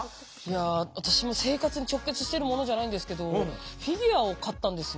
私も生活に直結してるものじゃないんですけどフィギュアを買ったんですね。